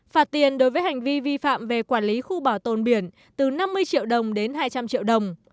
phạt tiền đối với hành vi vi phạm về quản lý khu bảo tồn biển từ năm mươi triệu đồng đến hai trăm linh triệu đồng